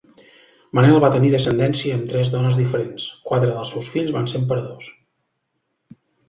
Manel va tenir descendència amb tres dones diferents; quatre dels seus fills van ser emperadors.